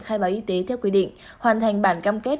khai báo y tế theo quy định hoàn thành bản cam kết